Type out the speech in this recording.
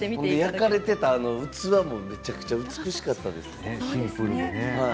売られていた器もめちゃくちゃ美しかったですね。